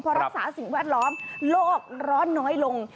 พอรักษาสิ่งแวดล้อมโลกร้อนน้อยลง